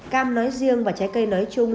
cam nói riêng và trái cây nói chung